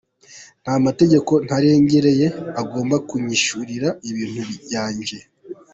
Nta mategeko ntarengereye agomba kunyishyura ibintu byanjye.